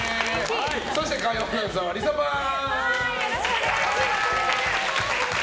そして火曜アナウンサーはリサパン！